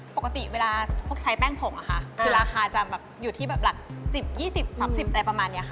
ปกติเวลาพวกใช้แป้งผงอะค่ะคือราคาจะแบบอยู่ที่แบบหลัก๑๐๒๐๓๐อะไรประมาณนี้ค่ะ